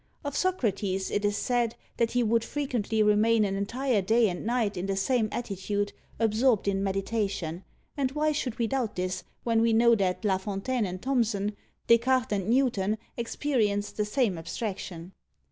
Of Socrates, it is said, that he would frequently remain an entire day and night in the same attitude, absorbed in meditation; and why should we doubt this, when we know that La Fontaine and Thomson, Descartes and Newton, experienced the same abstraction?